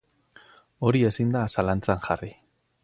Hori ezin da zalantzan jarri.